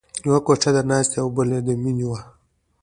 یوه کوټه د ناستې او بله د مینې وه